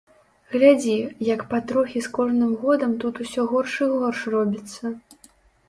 Глядзі, як патрохі з кожным годам тут усё горш і горш робіцца.